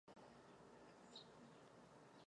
Byl milovníkem renesance a secese.